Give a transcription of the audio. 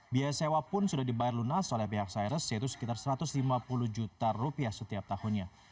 biaya sewa pun sudah dibayar lunas oleh pihak cyrus yaitu sekitar satu ratus lima puluh juta rupiah setiap tahunnya